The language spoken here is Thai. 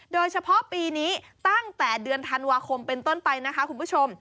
โดยเฉพาะปีนี้ตั้งแต่เดือนธันวาคมเป็นต้นไปนะคะคุณผู้ชม